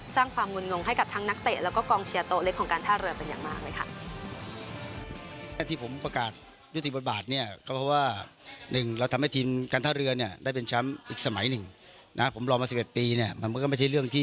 สร้างความงุ่นงงให้กับทั้งนักเตะแล้วก็กองเชียร์โต๊ะเล็กของการท่าเรือเป็นอย่างมากเลยค่ะ